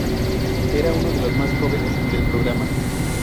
Era uno de los más jóvenes del programa.